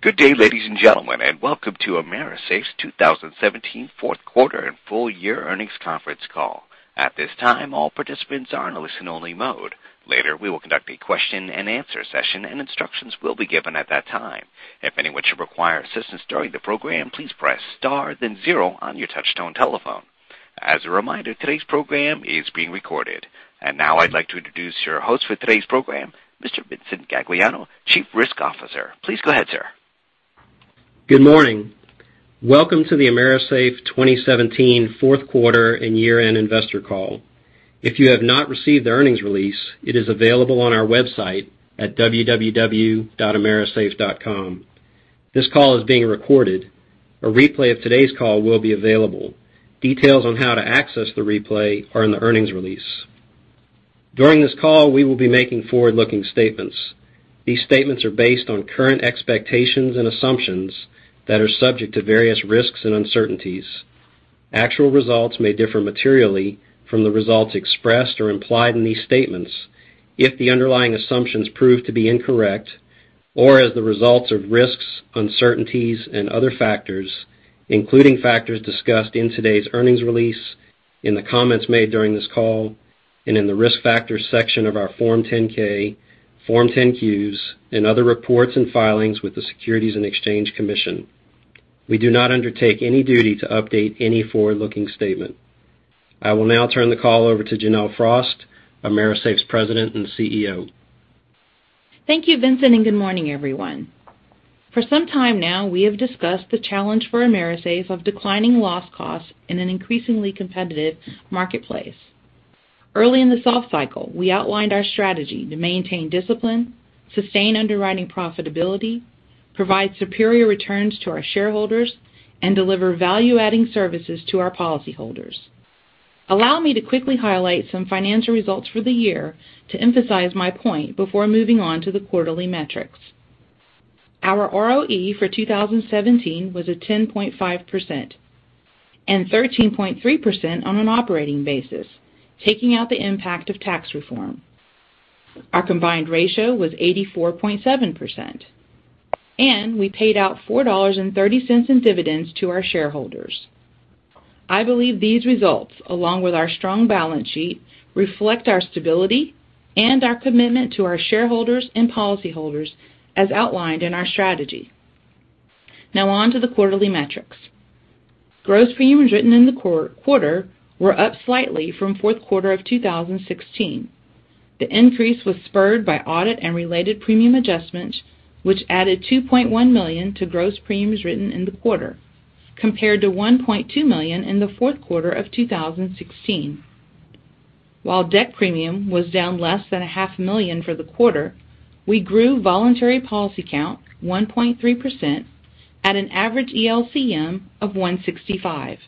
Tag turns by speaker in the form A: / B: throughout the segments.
A: Good day, ladies and gentlemen, welcome to AMERISAFE's 2017 fourth quarter and full year earnings conference call. At this time, all participants are in listen only mode. Later, we will conduct a question and answer session and instructions will be given at that time. If anyone should require assistance during the program, please press star then zero on your touchtone telephone. As a reminder, today's program is being recorded. Now I'd like to introduce your host for today's program, Mr. Vincent Gagliano, Chief Risk Officer. Please go ahead, sir.
B: Good morning. Welcome to the AMERISAFE 2017 fourth quarter and year-end investor call. If you have not received the earnings release, it is available on our website at www.amerisafe.com. This call is being recorded. A replay of today's call will be available. Details on how to access the replay are in the earnings release. During this call, we will be making forward-looking statements. These statements are based on current expectations and assumptions that are subject to various risks and uncertainties. Actual results may differ materially from the results expressed or implied in these statements if the underlying assumptions prove to be incorrect or as the results of risks, uncertainties, and other factors, including factors discussed in today's earnings release, in the comments made during this call, and in the Risk Factors section of our Form 10-K, Form 10-Qs, and other reports and filings with the Securities and Exchange Commission. We do not undertake any duty to update any forward-looking statement. I will now turn the call over to Janelle Frost, AMERISAFE's President and CEO.
C: Thank you, Vincent, good morning, everyone. For some time now, we have discussed the challenge for AMERISAFE of declining loss costs in an increasingly competitive marketplace. Early in the soft cycle, we outlined our strategy to maintain discipline, sustain underwriting profitability, provide superior returns to our shareholders, and deliver value-adding services to our policyholders. Allow me to quickly highlight some financial results for the year to emphasize my point before moving on to the quarterly metrics. Our ROE for 2017 was at 10.5%, and 13.3% on an operating basis, taking out the impact of tax reform. Our combined ratio was 84.7%, we paid out $4.30 in dividends to our shareholders. I believe these results, along with our strong balance sheet, reflect our stability and our commitment to our shareholders and policyholders as outlined in our strategy. On to the quarterly metrics. Gross premiums written in the quarter were up slightly from fourth quarter of 2016. The increase was spurred by audit and related premium adjustments, which added $2.1 million to gross premiums written in the quarter, compared to $1.2 million in the fourth quarter of 2016. While direct premium was down less than a half million for the quarter, we grew voluntary policy count 1.3% at an average ELCM of 165.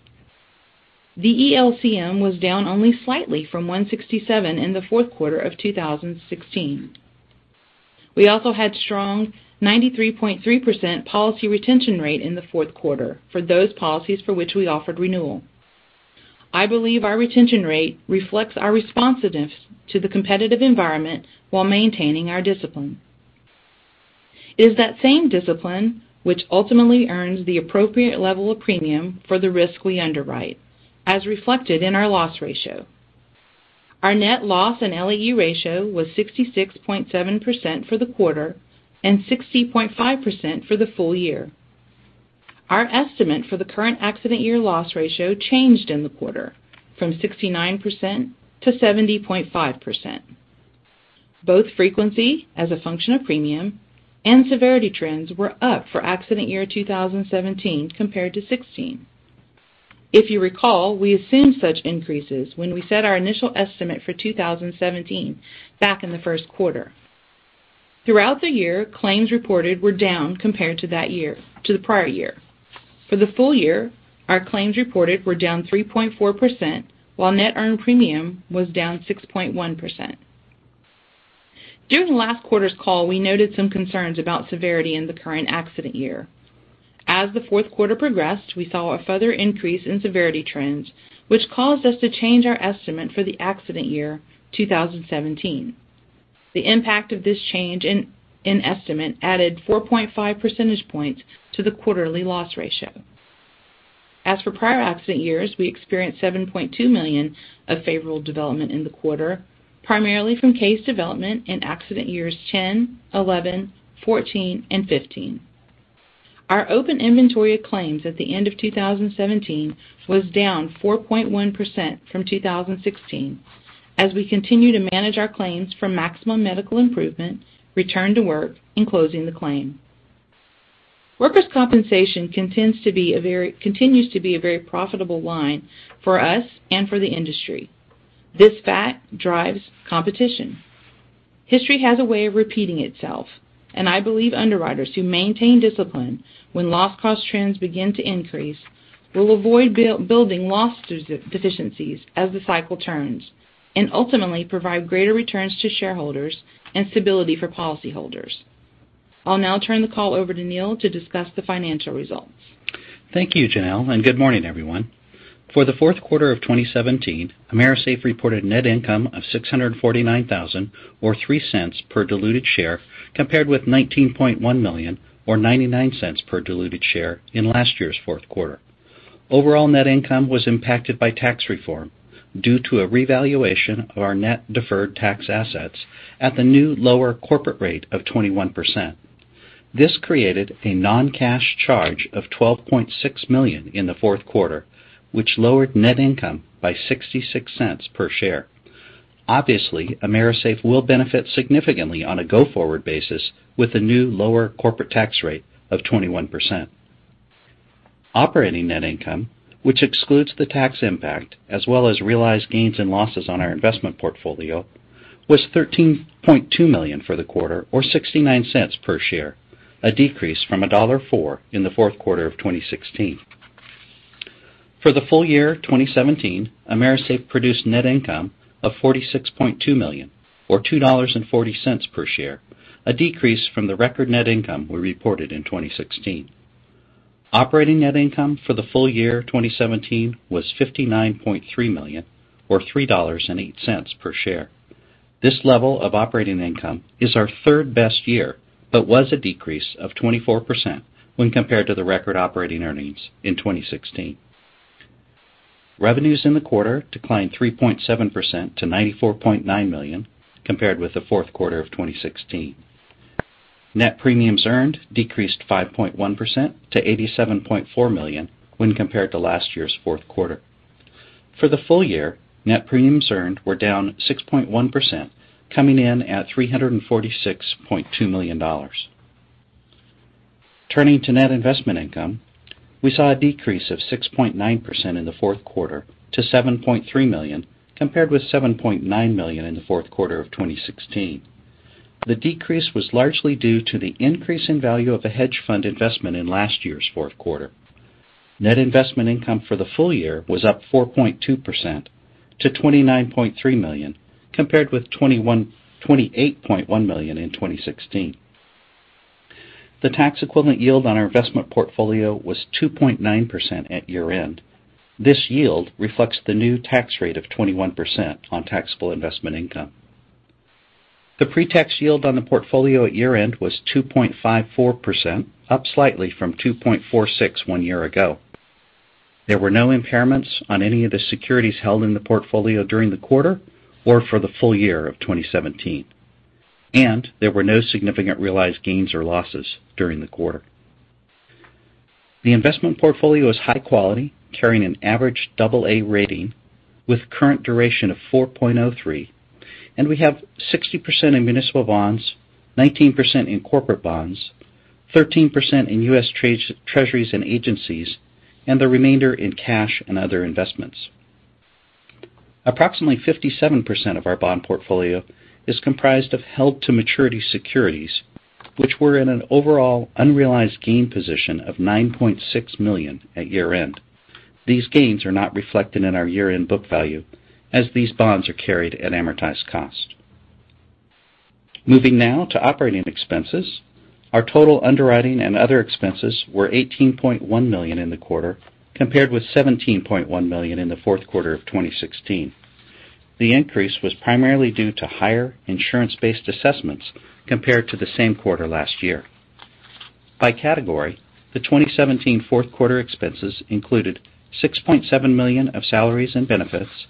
C: The ELCM was down only slightly from 167 in the fourth quarter of 2016. We also had strong 93.3% policy retention rate in the fourth quarter for those policies for which we offered renewal. I believe our retention rate reflects our responsiveness to the competitive environment while maintaining our discipline. It is that same discipline which ultimately earns the appropriate level of premium for the risk we underwrite, as reflected in our loss ratio. Our net loss and LAE ratio was 66.7% for the quarter and 60.5% for the full year. Our estimate for the current accident year loss ratio changed in the quarter from 69% to 70.5%. Both frequency as a function of premium and severity trends were up for accident year 2017 compared to 2016. If you recall, we assumed such increases when we set our initial estimate for 2017 back in the first quarter. Throughout the year, claims reported were down compared to the prior year. For the full year, our claims reported were down 3.4%, while net earned premium was down 6.1%. During last quarter's call, we noted some concerns about severity in the current accident year. As the fourth quarter progressed, we saw a further increase in severity trends, which caused us to change our estimate for the accident year 2017. The impact of this change in estimate added 4.5 percentage points to the quarterly loss ratio. As for prior accident years, we experienced $7.2 million of favorable development in the quarter, primarily from case development in accident years 2010, 2011, 2014, and 2015. Our open inventory of claims at the end of 2017 was down 4.1% from 2016, as we continue to manage our claims for maximum medical improvement, return to work, and closing the claim. Workers' compensation continues to be a very profitable line for us and for the industry. This fact drives competition. History has a way of repeating itself. I believe underwriters who maintain discipline when loss cost trends begin to increase will avoid building loss deficiencies as the cycle turns, and ultimately provide greater returns to shareholders and stability for policyholders. I'll now turn the call over to Neal to discuss the financial results.
D: Thank you, Janelle, and good morning, everyone. For the fourth quarter of 2017, AMERISAFE reported net income of $649,000, or $0.03 per diluted share, compared with $19.1 million, or $0.99 per diluted share in last year's fourth quarter. Overall net income was impacted by tax reform due to a revaluation of our net deferred tax assets at the new lower corporate rate of 21%. This created a non-cash charge of $12.6 million in the fourth quarter, which lowered net income by $0.66 per share. Obviously, AMERISAFE will benefit significantly on a go-forward basis with the new lower corporate tax rate of 21%. Operating net income, which excludes the tax impact as well as realized gains and losses on our investment portfolio, was $13.2 million for the quarter, or $0.69 per share, a decrease from $1.04 in the fourth quarter of 2016. For the full year 2017, AMERISAFE produced net income of $46.2 million, or $2.40 per share, a decrease from the record net income we reported in 2016. Operating net income for the full year 2017 was $59.3 million, or $3.08 per share. This level of operating income is our third-best year, but was a decrease of 24% when compared to the record operating earnings in 2016. Revenues in the quarter declined 3.7% to $94.9 million compared with the fourth quarter of 2016. Net premiums earned decreased 5.1% to $87.4 million when compared to last year's fourth quarter. For the full year, net premiums earned were down 6.1%, coming in at $346.2 million. Turning to net investment income, we saw a decrease of 6.9% in the fourth quarter to $7.3 million, compared with $7.9 million in the fourth quarter of 2016. The decrease was largely due to the increase in value of a hedge fund investment in last year's fourth quarter. Net investment income for the full year was up 4.2% to $29.3 million, compared with $28.1 million in 2016. The tax equivalent yield on our investment portfolio was 2.9% at year-end. This yield reflects the new tax rate of 21% on taxable investment income. The pre-tax yield on the portfolio at year-end was 2.54%, up slightly from 2.46% one year ago. There were no impairments on any of the securities held in the portfolio during the quarter or for the full year of 2017, and there were no significant realized gains or losses during the quarter. The investment portfolio is high quality, carrying an average double A rating with current duration of 4.03, and we have 60% in municipal bonds, 19% in corporate bonds, 13% in US Treasuries and agencies, and the remainder in cash and other investments. Approximately 57% of our bond portfolio is comprised of held-to-maturity securities, which were in an overall unrealized gain position of $9.6 million at year-end. These gains are not reflected in our year-end book value as these bonds are carried at amortized cost. Moving now to operating expenses. Our total underwriting and other expenses were $18.1 million in the quarter, compared with $17.1 million in the fourth quarter of 2016. The increase was primarily due to higher insurance-based assessments compared to the same quarter last year. By category, the 2017 fourth quarter expenses included $6.7 million of salaries and benefits,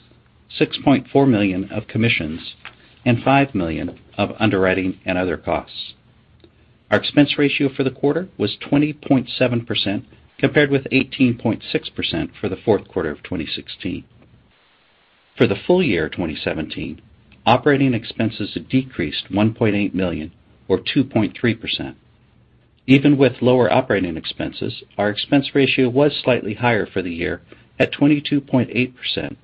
D: $6.4 million of commissions, and $5 million of underwriting and other costs. Our expense ratio for the quarter was 20.7%, compared with 18.6% for the fourth quarter of 2016. For the full year 2017, operating expenses decreased $1.8 million, or 2.3%. Even with lower operating expenses, our expense ratio was slightly higher for the year at 22.8%,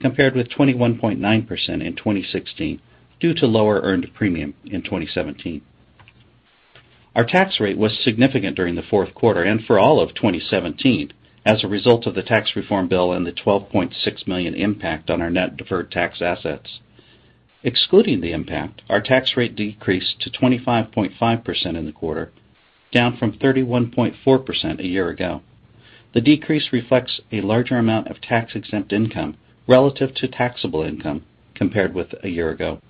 D: compared with 21.9% in 2016, due to lower earned premium in 2017. Our tax rate was significant during the fourth quarter and for all of 2017 as a result of the tax reform bill and the $12.6 million impact on our net deferred tax assets. Excluding the impact, our tax rate decreased to 25.5% in the quarter, down from 31.4% a year ago. The decrease reflects a larger amount of tax-exempt income relative to taxable income compared with a year ago.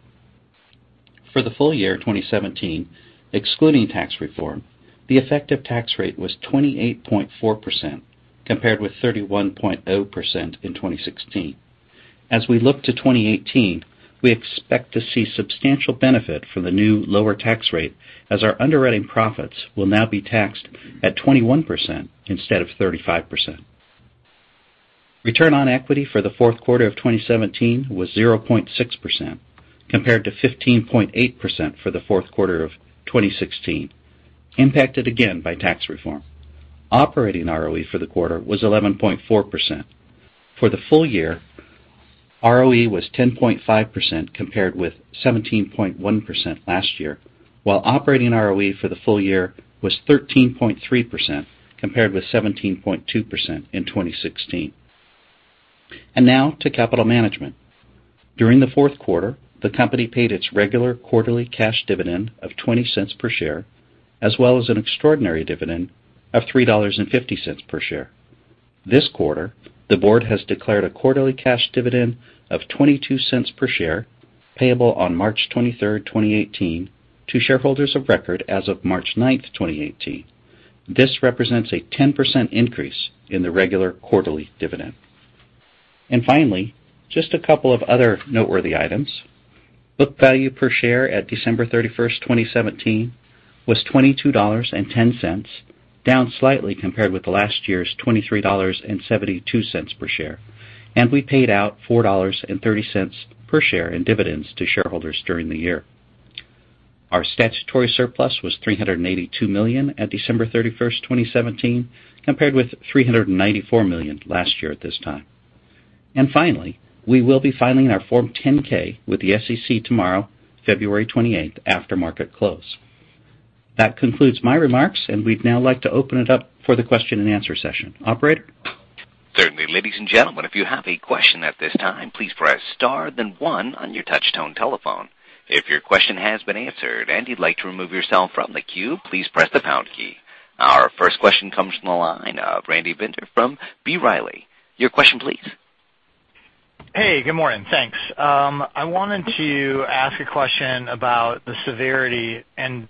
D: For the full year 2017, excluding tax reform, the effective tax rate was 28.4%, compared with 31.0% in 2016. We look to 2018, we expect to see substantial benefit from the new lower tax rate as our underwriting profits will now be taxed at 21% instead of 35%. Return on equity for the fourth quarter of 2017 was 0.6%, compared to 15.8% for the fourth quarter of 2016, impacted again by tax reform. Operating ROE for the quarter was 11.4%. For the full year, ROE was 10.5% compared with 17.1% last year, while operating ROE for the full year was 13.3% compared with 17.2% in 2016. Now to capital management. During the fourth quarter, the company paid its regular quarterly cash dividend of $0.20 per share, as well as an extraordinary dividend of $3.50 per share. This quarter, the board has declared a quarterly cash dividend of $0.22 per share, payable on March 23rd, 2018, to shareholders of record as of March 9th, 2018. This represents a 10% increase in the regular quarterly dividend. Finally, just a couple of other noteworthy items. Book value per share at December 31st, 2017, was $22.10, down slightly compared with last year's $23.72 per share. We paid out $4.30 per share in dividends to shareholders during the year. Our statutory surplus was $382 million at December 31st, 2017, compared with $394 million last year at this time. Finally, we will be filing our Form 10-K with the SEC tomorrow, February 28th, after market close. That concludes my remarks, and we'd now like to open it up for the question and answer session. Operator?
A: Certainly. Ladies and gentlemen, if you have a question at this time, please press star 1 on your touch-tone telephone. If your question has been answered and you'd like to remove yourself from the queue, please press the pound key. Our first question comes from the line of Randy Binner from B. Riley. Your question please.
E: Hey, good morning. Thanks. I wanted to ask a question about the severity and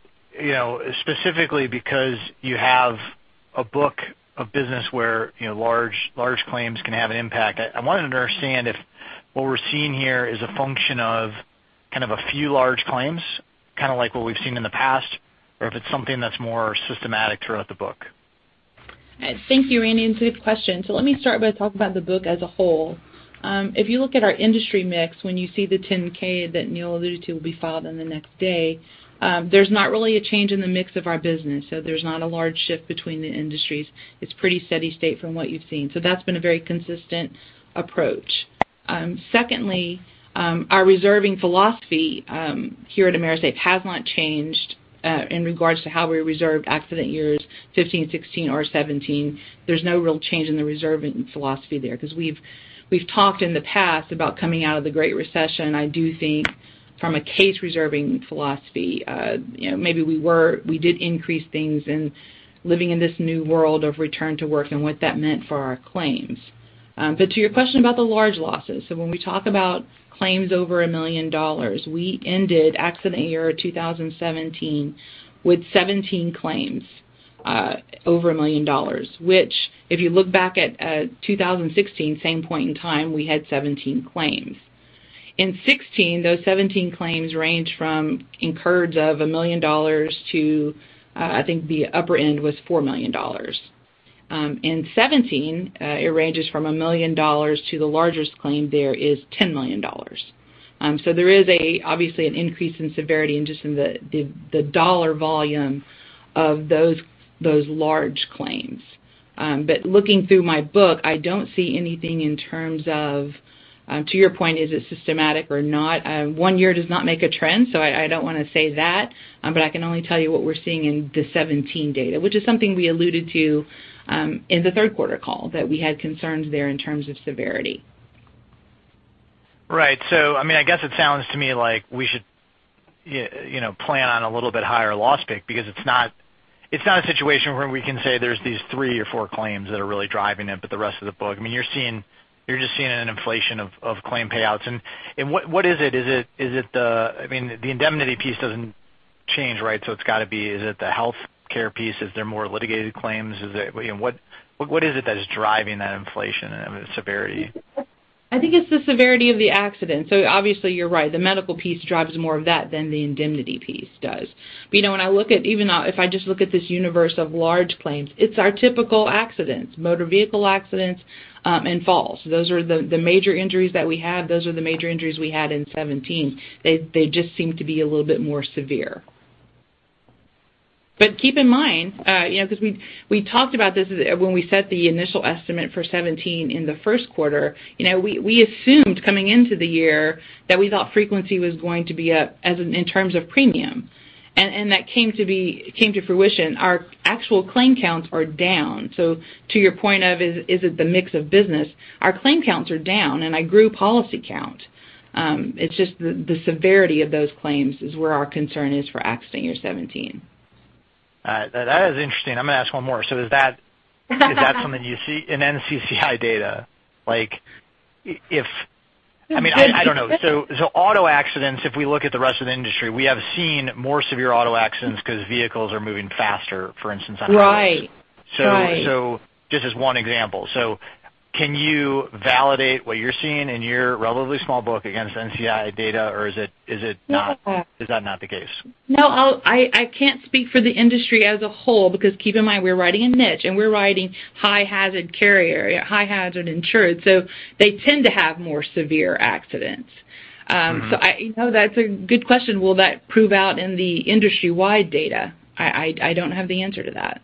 E: specifically because you have a book of business where large claims can have an impact. I wanted to understand if what we're seeing here is a function of kind of a few large claims, kind of like what we've seen in the past, or if it's something that's more systematic throughout the book.
C: Thank you, Randy. It's a good question. Let me start by talking about the book as a whole. If you look at our industry mix, when you see the Form 10-K that Neal alluded to will be filed in the next day, there's not really a change in the mix of our business. There's not a large shift between the industries. It's pretty steady state from what you've seen. That's been a very consistent approach. Secondly, our reserving philosophy here at AMERISAFE has not changed in regards to how we reserved accident years 2015, 2016, or 2017. There's no real change in the reserving philosophy there because we've talked in the past about coming out of the Great Recession. I do think from a case reserving philosophy maybe we did increase things in living in this new world of return to work and what that meant for our claims. To your question about the large losses, when we talk about claims over $1 million, we ended accident year 2017 with 17 claims over $1 million, which if you look back at 2016, same point in time, we had 17 claims. In 2016, those 17 claims range from incurs of $1 million to, I think, the upper end was $4 million. In 2017, it ranges from $1 million to the largest claim there is $10 million. There is obviously an increase in severity and just in the dollar volume of those large claims. Looking through my book, I don't see anything in terms of, to your point, is it systematic or not? One year does not make a trend. I don't want to say that. I can only tell you what we're seeing in the 2017 data, which is something we alluded to in the third quarter call, that we had concerns there in terms of severity.
E: I guess it sounds to me like we should plan on a little bit higher loss pick because it's not a situation where we can say there's these three or four claims that are really driving it, but the rest of the book, you're just seeing an inflation of claim payouts. What is it? The indemnity piece doesn't change, right? It's got to be, is it the healthcare piece? Is there more litigated claims? What is it that is driving that inflation and severity?
C: I think it's the severity of the accident. Obviously you're right, the medical piece drives more of that than the indemnity piece does. Even if I just look at this universe of large claims, it's our typical accidents, motor vehicle accidents, and falls. Those are the major injuries that we had. Those are the major injuries we had in 2017. They just seem to be a little bit more severe. Keep in mind, because we talked about this when we set the initial estimate for 2017 in the first quarter. We assumed coming into the year that we thought frequency was going to be up in terms of premium. That came to fruition. Our actual claim counts are down. To your point of is it the mix of business, our claim counts are down, and I grew policy count. It's just the severity of those claims is where our concern is for accident year 2017.
E: All right. That is interesting. I'm going to ask one more. Is that something you see in NCCI data? I don't know. Auto accidents, if we look at the rest of the industry, we have seen more severe auto accidents because vehicles are moving faster, for instance, on average.
C: Right.
E: Just as one example. Can you validate what you're seeing in your relatively small book against NCCI data, or is that not the case?
C: No, I can't speak for the industry as a whole because keep in mind, we're writing a niche, and we're writing high-hazard carrier, high-hazard insured, so they tend to have more severe accidents. That's a good question. Will that prove out in the industry-wide data? I don't have the answer to that.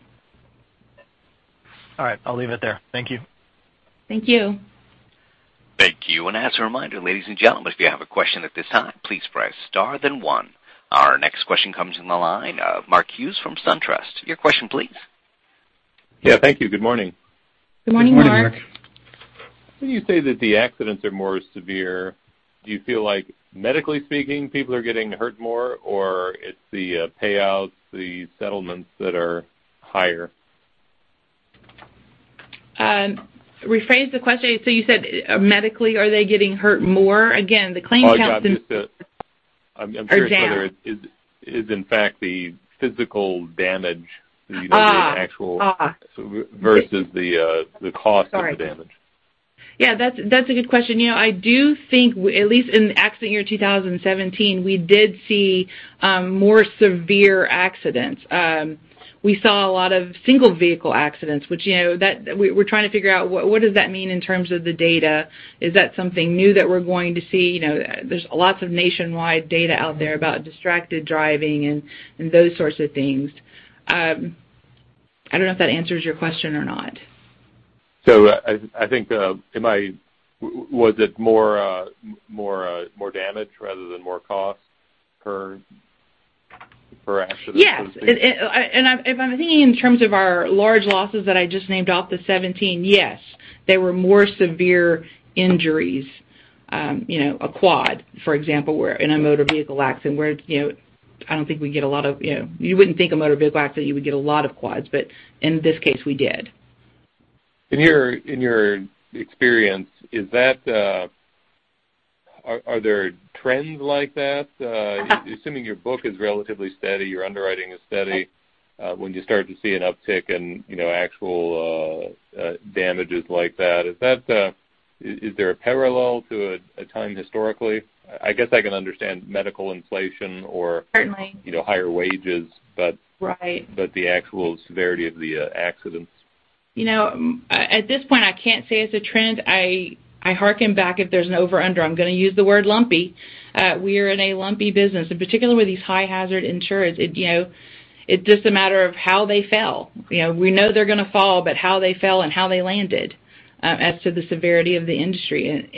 E: All right. I'll leave it there. Thank you.
C: Thank you.
A: Thank you. As a reminder, ladies and gentlemen, if you have a question at this time, please press star then one. Our next question comes in the line of Mark Hughes from SunTrust. Your question please.
F: Yeah, thank you. Good morning.
C: Good morning, Mark.
D: Good morning.
F: When you say that the accidents are more severe, do you feel like medically speaking, people are getting hurt more, or it's the payouts, the settlements that are higher?
C: Rephrase the question. You said medically, are they getting hurt more?
F: Oh, got it.
C: death.
F: I'm curious whether it is in fact the physical damage. The actual versus the cost.
C: Sorry
F: of the damage.
C: Yeah, that's a good question. I do think, at least in the accident year 2017, we did see more severe accidents. We saw a lot of single-vehicle accidents, which we're trying to figure out what does that mean in terms of the data. Is that something new that we're going to see? There's lots of nationwide data out there about distracted driving and those sorts of things. I don't know if that answers your question or not.
F: I think, was it more damage rather than more cost per accident?
C: Yes. If I'm thinking in terms of our large losses that I just named off the '17, yes. They were more severe injuries. A quadriplegia, for example, where in a motor vehicle accident where you wouldn't think a motor vehicle accident you would get a lot of quads, but in this case, we did.
F: In your experience, are there trends like that? Assuming your book is relatively steady, your underwriting is steady, when you start to see an uptick in actual damages like that, is there a parallel to a time historically?
C: Certainly
F: higher wages.
C: Right
F: The actual severity of the accidents.
C: At this point, I can't say it's a trend. I hearken back if there's an over-under, I'm going to use the word lumpy. We are in a lumpy business, and particularly with these high-hazard insurers. It's just a matter of how they fell. We know they're going to fall, but how they fell and how they landed as to the severity of the injury,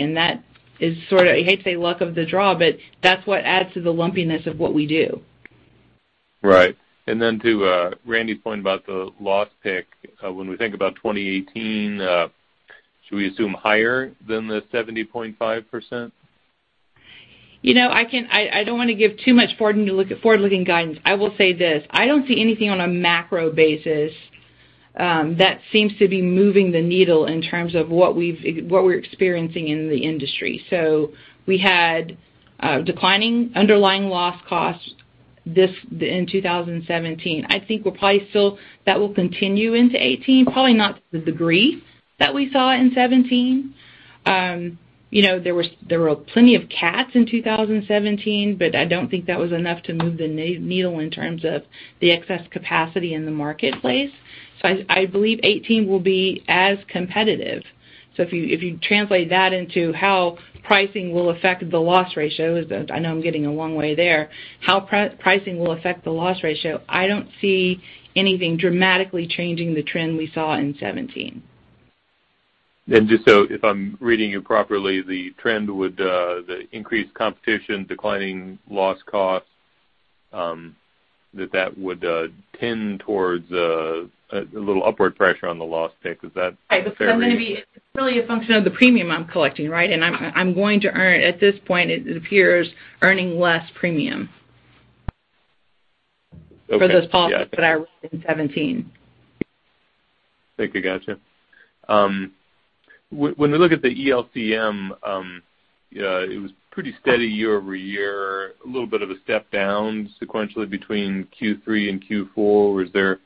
C: and that is sort of, I hate to say luck of the draw, but that's what adds to the lumpiness of what we do.
F: Right. To Randy's point about the loss pick, when we think about 2018, should we assume higher than the 70.5%?
C: I don't want to give too much forward-looking guidance. I will say this. I don't see anything on a macro basis that seems to be moving the needle in terms of what we're experiencing in the industry. We had declining underlying loss costs in 2017. I think that will probably continue into 2018, probably not to the degree that we saw in 2017. There were plenty of cats in 2017. I don't think that was enough to move the needle in terms of the excess capacity in the marketplace. I believe 2018 will be as competitive. If you translate that into how pricing will affect the loss ratio, I know I'm getting a long way there, how pricing will affect the loss ratio, I don't see anything dramatically changing the trend we saw in 2017.
F: If I'm reading you properly, the trend with the increased competition, declining loss costs, that would tend towards a little upward pressure on the loss pick. Is that fair?
C: Right. Because I'm going to be really a function of the premium I'm collecting, right? I'm going to earn at this point, it appears earning less premium.
F: Okay. Gotcha.
C: for those policies that I wrote in 2017.
F: I think I gotcha. When we look at the ELCM, it was pretty steady year-over-year. A little bit of a step down sequentially between Q3 and Q4. Is there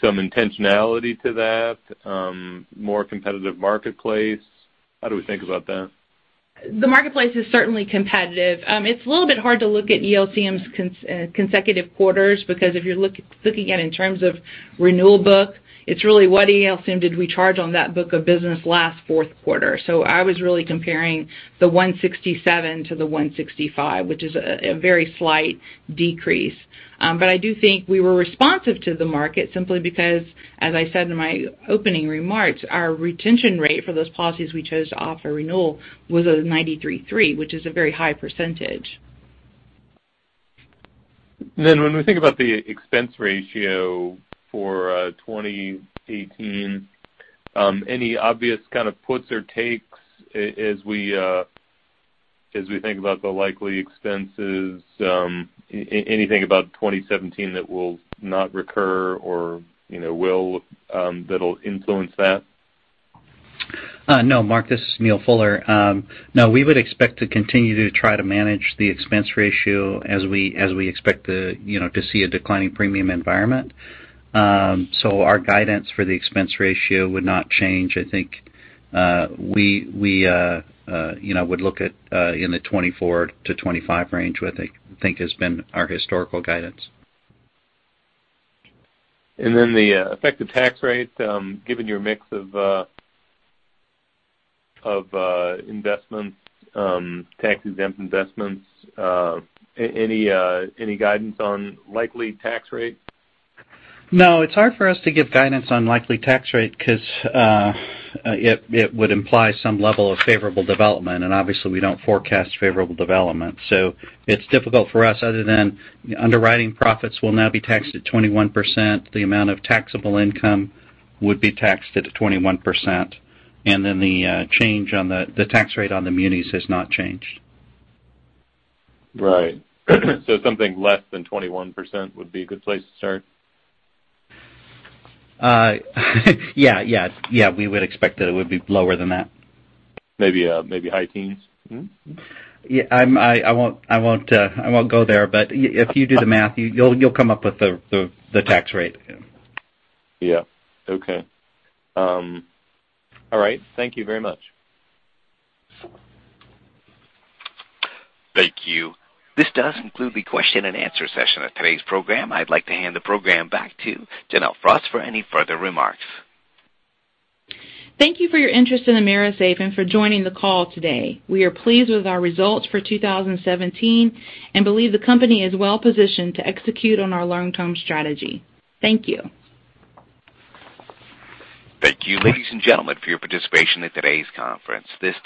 F: some intentionality to that? More competitive marketplace? How do we think about that?
C: The marketplace is certainly competitive. It's a little bit hard to look at ELCM's consecutive quarters because if you're looking at in terms of renewal book, it's really what ELCM did we charge on that book of business last fourth quarter. I was really comparing the 167 to the 165, which is a very slight decrease. But I do think we were responsive to the market simply because, as I said in my opening remarks, our retention rate for those policies we chose to offer renewal was a 93.3, which is a very high %.
F: When we think about the expense ratio for 2018, any obvious kind of puts or takes as we think about the likely expenses? Anything about 2017 that will not recur or will that'll influence that?
D: Mark, this is Neal Fuller. We would expect to continue to try to manage the expense ratio as we expect to see a declining premium environment. Our guidance for the expense ratio would not change. I think we would look at in the 24-25 range, what I think has been our historical guidance.
F: The effective tax rate, given your mix of investments, tax-exempt investments, any guidance on likely tax rate?
D: It's hard for us to give guidance on likely tax rate because it would imply some level of favorable development, and obviously, we don't forecast favorable development. It's difficult for us other than underwriting profits will now be taxed at 21%, the amount of taxable income would be taxed at 21%, the tax rate on the munis has not changed.
F: Right. Something less than 21% would be a good place to start?
D: Yeah. We would expect that it would be lower than that.
F: Maybe high teens? Mm-hmm.
D: Yeah. I won't go there, but if you do the math, you'll come up with the tax rate.
F: Yeah. Okay. All right. Thank you very much.
A: Thank you. This does conclude the question and answer session of today's program. I'd like to hand the program back to Janelle Frost for any further remarks.
C: Thank you for your interest in AMERISAFE and for joining the call today. We are pleased with our results for 2017 and believe the company is well-positioned to execute on our long-term strategy. Thank you.
A: Thank you, ladies and gentlemen, for your participation in today's conference. This